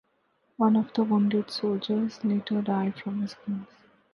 One of the wounded soldiers later died from his wounds.